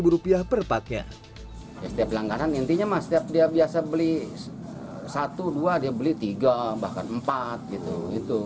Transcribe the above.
rupiah perpaknya langgaran intinya masjid dia biasa beli dua belas dia beli tiga bahkan empat gitu